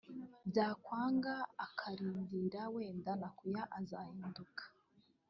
bya kwanga aka rindira wenda nakuya azahinduka